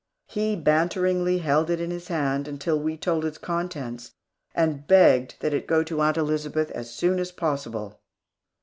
He banteringly held it in his hand, until we told its contents and begged that it go to Aunt Elizabeth as fast as possible.